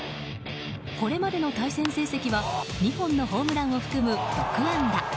これまでの対戦成績は２本のホームランを含む６安打。